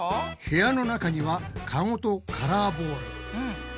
部屋の中にはカゴとカラーボール。